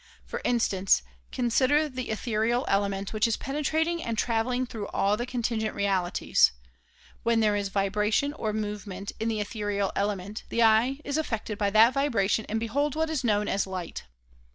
For instance, con sider the ethereal element which is penetrating and traveling through all the contingent realities. When there is vibration or movement in the ethereal element, the eye is affected by that vibra tion and beholds what is known as light.